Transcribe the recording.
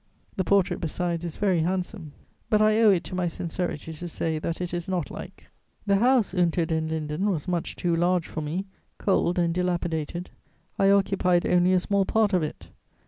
The portrait, besides, is very handsome; but I owe it to my sincerity to say that it is not like. The house Unter den Linden was much too large for me, cold and dilapidated: I occupied only a small part of it.